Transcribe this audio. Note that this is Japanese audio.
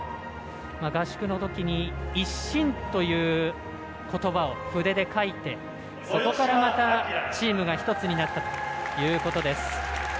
合宿のときに一心ということばを筆で書いてそこからまたチームがまた一つになったということです。